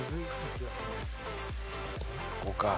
ここか。